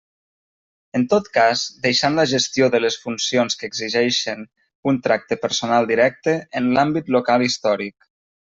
En tot cas, deixant la gestió de les funcions que exigeixen un tracte personal directe en l'àmbit local històric.